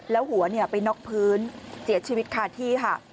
แล้วหัวไปน็อกพื้นเสียชีวิตคาที่ค่ะ